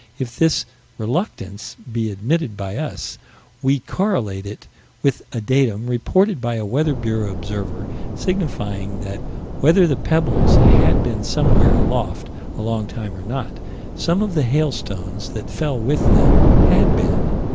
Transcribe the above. If this "reluctance" be admitted by us, we correlate it with a datum reported by a Weather Bureau observer, signifying that, whether the pebbles had been somewhere aloft a long time or not, some of the hailstones that fell with them, had been.